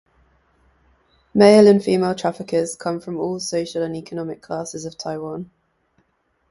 Male and female traffickers come from all social and economic classes of Taiwan.